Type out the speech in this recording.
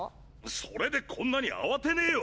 それでこんなに慌てねぇよ！